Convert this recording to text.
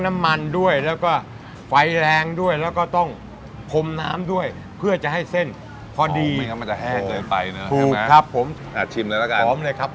มันจะแห้เกินไปเนอะถูกครับผมอ่าชิมเลยแล้วกันหอมเลยครับ